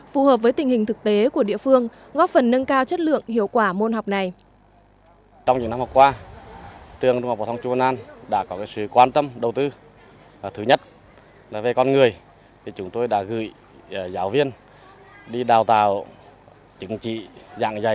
phù hợp với tình hình thực tế của địa phương góp phần nâng cao trách nhiệm